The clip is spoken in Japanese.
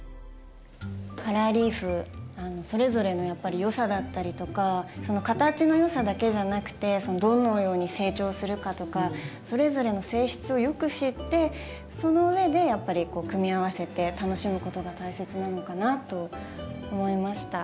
カラーリーフそれぞれのやっぱりよさだったりとかその形のよさだけじゃなくてどのように成長するかとかそれぞれの性質をよく知ってそのうえでやっぱり組み合わせて楽しむことが大切なのかなと思いました。